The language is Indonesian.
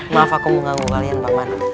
maaf aku mengganggu kalian pak man